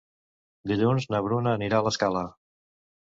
Dilluns na Bruna anirà a l'Escala.